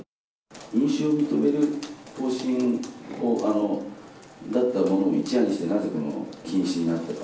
飲酒を認める方針を、だったのを、一夜にして、なぜ禁止になったのか？